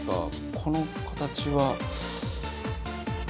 この形は。